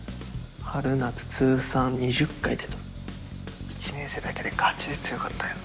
春夏通算２０回出とる１年生だけでガチで強かったやん